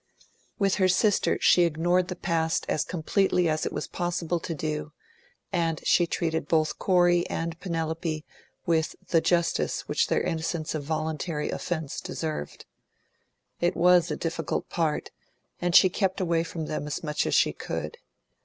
With her sister she ignored the past as completely as it was possible to do; and she treated both Corey and Penelope with the justice which their innocence of voluntary offence deserved. It was a difficult part, and she kept away from them as much as she could.